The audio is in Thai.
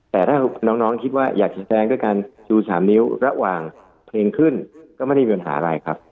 แต่ถ้าน้องคิดว่าอยากจะแสดงด้วยการชู๓นิ้วระหว่างเพลงขึ้นก็ไม่ได้มีปัญหาอะไรครับ